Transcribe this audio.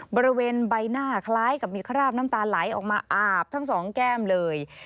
บริเวณใบหน้าคล้ายกับมีคราบน้ำตาไหลออกมาอาบทั้งสองแก้มเลย